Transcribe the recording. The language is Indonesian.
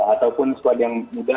ataupun squad yang muda